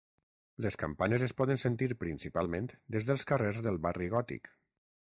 Les campanes es poden sentir principalment des dels carrers del Barri Gòtic.